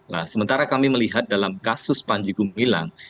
nah sementara kami melihat dalam kasus panjegu milang